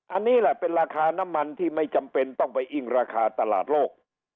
อันนี้แหละเป็นราคาน้ำมันที่ไม่จำเป็นต้องไปอิ้งราคาตลาดโลก